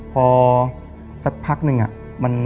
พอสักพักนึงอะ